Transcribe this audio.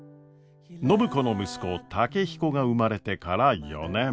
暢子の息子健彦が生まれてから４年。